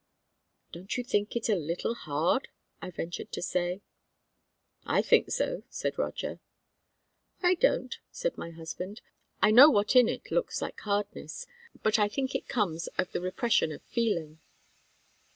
"Don't you think it a little hard?" I ventured to say. "I think so," said Roger. "I don't," said my husband. "I know what in it looks like hardness; but I think it comes of the repression of feeling."